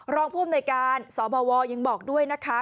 รองพุ่มในการสบวยังบอกด้วยนะครับ